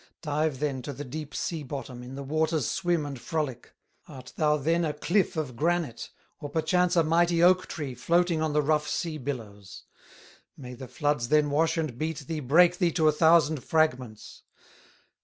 Dive then to the deep sea bottom, In the waters swim and frolic. "Art thou then a cliff of granite, Or perchance a mighty oak tree, Floating on the rough sea billows? May the floods then wash and beat thee, Break thee to a thousand fragments."